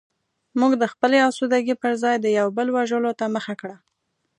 موږ د خپلې اسودګۍ پرځای د یو بل وژلو ته مخه کړه